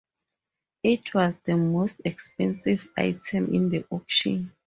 It was the most expensive item in the auction.